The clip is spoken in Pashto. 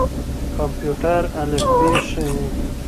کمپيوټر الفبې ښيي.